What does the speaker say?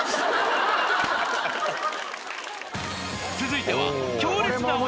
［続いては］